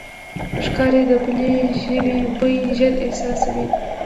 ښکاري د بلې ژوي بوی ژر احساسوي.